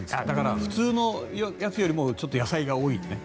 普通のやつよりもきっと野菜が多いよね。